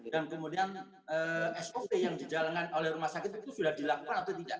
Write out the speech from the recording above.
dan kemudian sop yang dijalankan oleh rumah sakit itu sudah dilakukan atau tidak